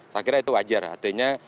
saya kira itu wajar artinya